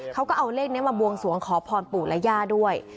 เขาก็เอาเลขนี้มาบวงสวงขอพรปู่และย่าด้วย